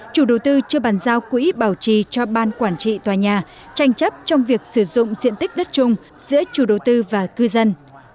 chủ đầu tư chưa bàn giao quỹ bảo trì cho ban quản trị tòa nhà tranh chấp trong việc sử dụng diện tích đất chung giữa chủ đầu tư và cư dân